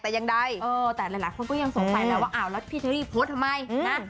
แต่ยังใดแต่หลายคนก็ยังสงสัยแล้วว่าอ้าวแล้วพี่เชอรี่โพสต์ทำไมนะ